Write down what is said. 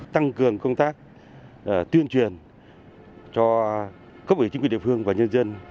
tăng cường công tác tuyên truyền cho cấp ủy chính quyền địa phương và nhân dân